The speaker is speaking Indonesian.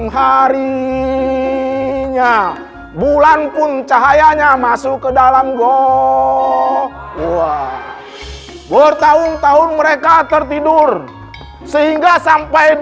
harinya bulan pun cahayanya masuk ke dalam goa bertahun tahun mereka tertidur sehingga sampai